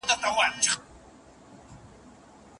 صالحه ميرمن مينه ناک او مهربان زړه لري.